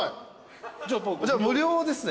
じゃあ無料ですね